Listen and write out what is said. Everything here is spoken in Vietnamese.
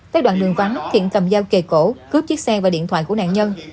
tới đoạn đường vắng thiện cầm dao kề cổ cướp chiếc xe và điện thoại của nạn nhân